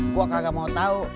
gue kagak mau tau